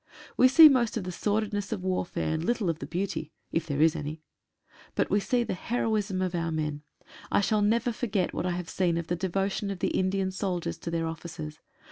We see most of the sordidness of warfare, and little of the beauty — if there is ahy. But we see the heroism of our men. I shall never forget what I have seen of the devotion of the Indian soldiers to their officers.